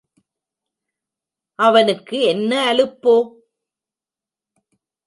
அவனுக்கு என்ன அலுப்போ?